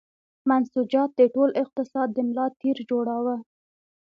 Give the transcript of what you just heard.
منسوجات د ټول اقتصاد د ملا تیر جوړاوه.